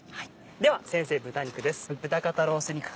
では先生豚肉です。